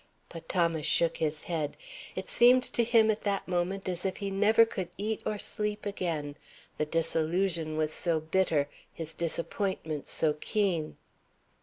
But Thomas shook his head. It seemed to him at that moment as if he never could eat or sleep again, the disillusion was so bitter, his disappointment so keen.